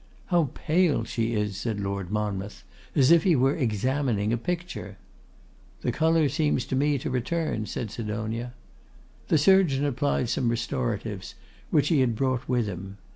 'How pale she is!' said Lord Monmouth, as if he were examining a picture. 'The colour seems to me to return,' said Sidonia. The surgeon applied some restoratives which he had brought with him.